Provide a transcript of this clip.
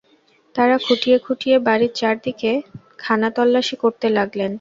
তারা খুঁটিয়ে খুঁটিয়ে বাড়ির চারদিকে খানাতল্লাশি করতে লাগলেন।